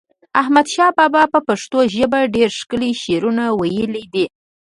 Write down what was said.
احمد شاه بابا په پښتو ژپه ډیر ښکلی شعرونه وایلی دی